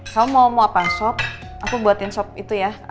kamu mau apa sob aku buatin sob itu ya